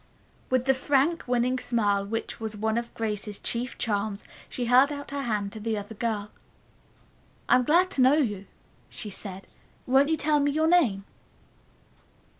With the frank, winning smile which was one of Grace's chief charms, she held out her hand to the other girl. "I am glad to know you," she said. "Won't you tell me your name?"